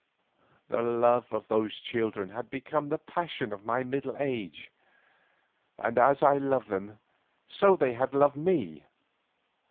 The love of those children had become the passion of my middle age, and as I loved them so they had loved me.